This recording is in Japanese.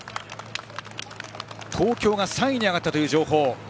東京が３位に上がったという情報。